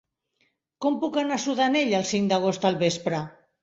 Com puc anar a Sudanell el cinc d'agost al vespre?